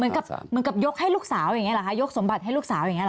เหมือนกับยกให้ลูกสาวยกสมบัติให้ลูกสาวอย่างนี้ล่ะ